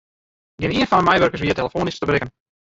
Gjinien fan de meiwurkers wie telefoanysk te berikken.